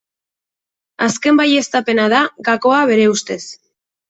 Azken baieztapena da gakoa bere ustez.